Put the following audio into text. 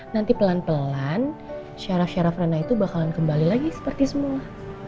nanti pelan pelan syaraf syaraf ranah itu bakalan kembali lagi seperti semula